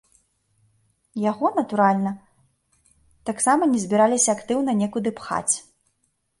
Яго, натуральна, таксама не збіраліся актыўна некуды пхаць.